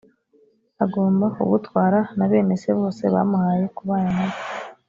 agomba kugutwara na bene se bose bamuhaye kubana na bo